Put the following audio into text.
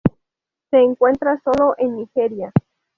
Se encuentra sólo en Nigeria.